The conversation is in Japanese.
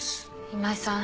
今井さん